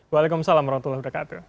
waalaikumsalam wr wb